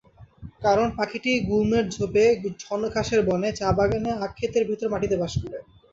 কারণ, পাখিটি গুল্মের ঝোপে, ছনঘাসের বনে, চা-বাগানে, আখখেতের ভেতর মাটিতে বাস করে।